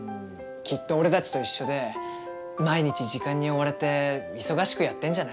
きっとおれたちといっしょで毎日時間におわれていそがしくやってんじゃない？